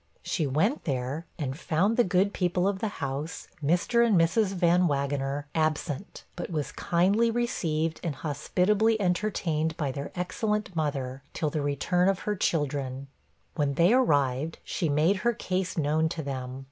She went there, and found the good people of the house, Mr. and Mrs. Van Wagener, absent, but was kindly received and hospitably entertained by their excellent mother, till the return of her children. When they arrived, she made her case known to them.